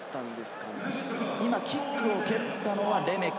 キックを蹴ったのはレメキ。